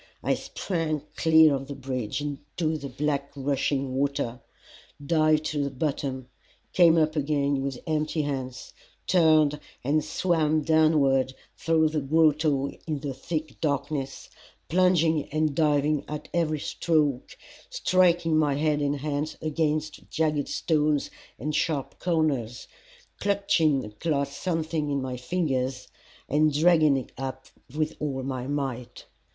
I sprang clear of the bridge into the black rushing water, dived to the bottom, came up again with empty hands, turned and swam downward through the grotto in the thick darkness, plunging and diving at every stroke, striking my head and hands against jagged stones and sharp corners, clutching at last something in my fingers and dragging it up with all my might.